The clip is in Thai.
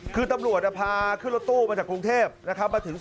ไม่ท้าพูดพาพาน้องไปข้างบนลูก